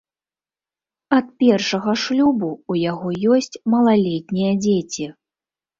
Ад першага шлюбу ў яго ёсць малалетнія дзеці.